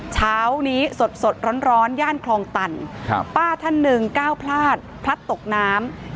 เช้านี้สดร้อนย่านคลองตันป้าท่านหนึ่งก้าวพลาดพลัดตกน้ำ